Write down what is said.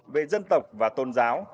về dân tộc và tôn giáo